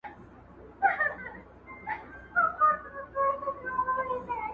په شا کړی یې رنځور پلار لکه مړی-